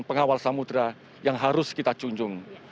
pengawal samudera yang harus kita junjung